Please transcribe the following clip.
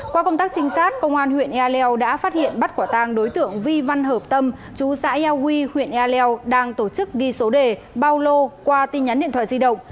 qua công tác trinh sát công an huyện ea leo đã phát hiện bắt quả tang đối tượng vi văn hợp tâm chú xã ea huy huyện ea leo đang tổ chức ghi số đề bao lô qua tin nhắn điện thoại di động